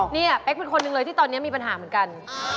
นี่เป๊กเป็นคนหนึ่งเลยที่ตอนนี้มีปัญหาเหมือนกัน